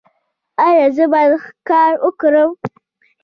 ایا زه باید ښکار وکړم؟